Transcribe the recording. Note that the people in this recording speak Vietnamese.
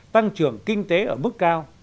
tăng trưởng kinh tế ở mức cao